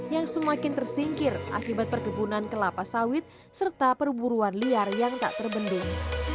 yang semakin tersingkir akibat perkebunan kelapa sawit serta perburuan liar yang tak terbendung